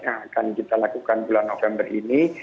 yang akan kita lakukan bulan november ini